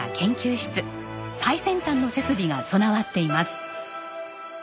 最先端の設備が備わっています。